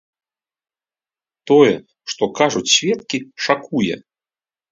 Тое, што кажуць сведкі, шакуе.